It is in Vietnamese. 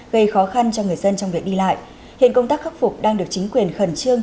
gây khó khăn cho người dân trong việc đi lại hiện công tác khắc phục đang được chính quyền khẩn trương